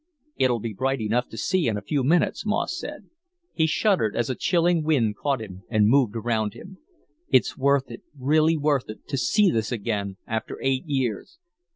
"It'll be bright enough to see in a few minutes," Moss said. He shuddered as a chilling wind caught him and moved around him. "It's worth it, really worth it, to see this again after eight years.